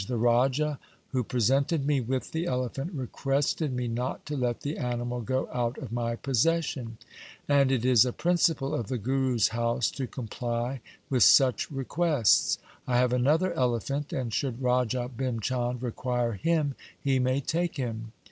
' The raja who presented me with the elephant requested me not to let the animal go out of my possession ; and it is a principle of the Guru's house to comply with such requests. I have another elephant, and should Raja Bhim Chand require him he may take him.'